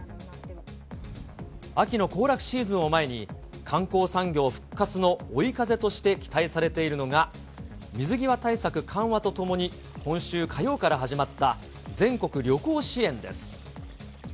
秋の行楽シーズンを前に、観光産業復活の追い風として期待されているのが、水際対策緩和とともに今週火曜から始まった、全国旅行支援です。